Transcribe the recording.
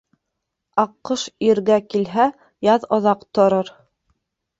Аҡҡош иргә килһә, яҙ оҙаҡ торор.